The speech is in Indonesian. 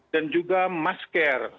dan juga masker